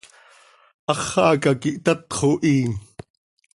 Háxaca quih tatxo hi.